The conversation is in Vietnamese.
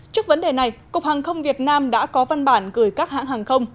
trước vấn đề này cục hàng không việt nam đã có văn bản gửi các hãng hàng không